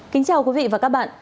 kính chào quý vị và các bạn